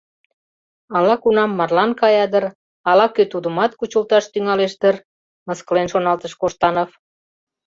«Ала-кунам марлан кая дыр, ала-кӧ тудымат кучылташ тӱҥалеш дыр? — мыскылен шоналтыш Коштанов.